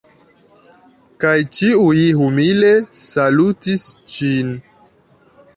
Kaj ĉiuj humile salutis ŝin.